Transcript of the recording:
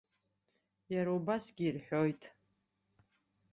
Иара убасгьы ирҳәоит.